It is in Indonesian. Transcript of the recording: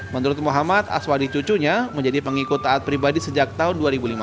menurut muhammad aswadi cucunya menjadi pengikut taat pribadi sejak tahun dua ribu lima belas